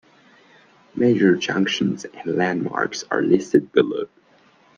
Major junctions and landmarks are listed below.